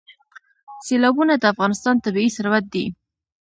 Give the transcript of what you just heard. سیلابونه د افغانستان طبعي ثروت دی.